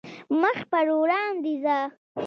مخ پر وړاندې ځه .